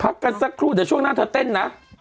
กันสักครู่เดี๋ยวช่วงหน้าเธอเต้นนะ